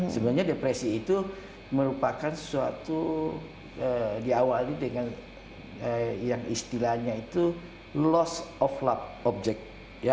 sebenarnya depresi itu merupakan sesuatu diawali dengan yang istilahnya itu loss of lab objek